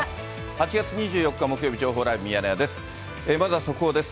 ８月２４日木曜日、情報ライブミヤネ屋です。